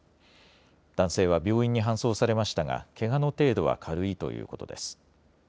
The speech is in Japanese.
男性は病院に搬送されましたが、けがの程度は軽いということです。